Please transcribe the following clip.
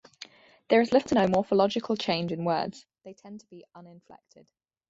There is little to no morphological change in words: they tend to be uninflected.